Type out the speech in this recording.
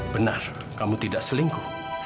benar kamu tidak selingkuh